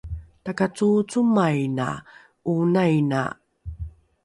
takacoocomaina ’oonaina